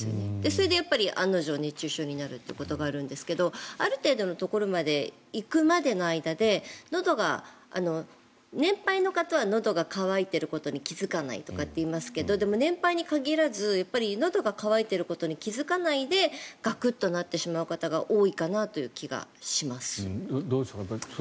それで案の定熱中症になるということがあるんですがある程度のところまで行くまでの間で年配の方は、のどが渇いてることに気付かないってありますけどでも、年配に限らずのどが渇いていることに気付かないでガクッとなってしまう方が多いかなという気がします。